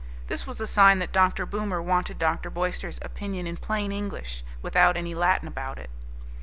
This was a sign that Dr. Boomer wanted Dr. Boyster's opinion in plain English, without any Latin about it.